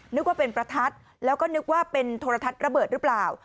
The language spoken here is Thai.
นึกว่าเป็นประทัดแล้วก็นึกว่าเป็นโทรทัศน์ระเบิดหรือเปล่า